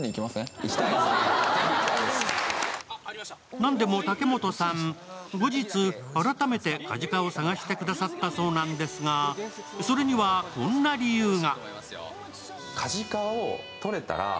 なんでも茸本さん、後日改めてカジカを探してくださったそうなんですが、それにはこんな理由が。